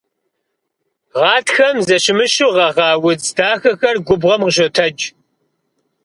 Гъатхэм зэщымыщу гъэгъа удз дахэхэр губгъуэм къыщотэдж.